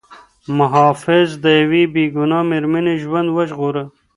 محافظ د یوې بې ګناه مېرمنې ژوند وژغوره.